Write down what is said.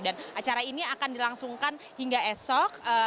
dan acara ini akan dilangsungkan hingga esok